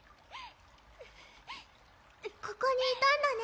ここにいたんだね